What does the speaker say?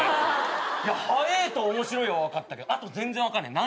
「はええ」と「面白い」は分かったけどあと全然分かんない何？